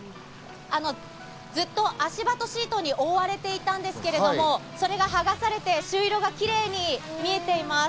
ずっと足場とシートに覆われていたんですけど、それが剥がされて、朱色がキレイに見えています。